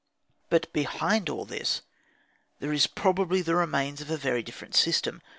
But behind all this there is probably the remains of a very different system.